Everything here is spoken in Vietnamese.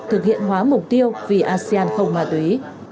thực hiện hóa mục tiêu vì asean không ma túy